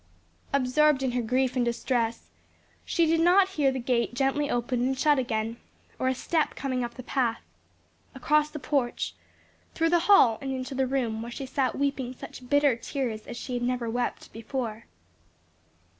Absorbed in her grief and distress, she did not hear the gate gently opened and shut again, or a step coming up the path, across the porch, through the hall and into the room where she sat weeping such bitter tears as she had never wept before.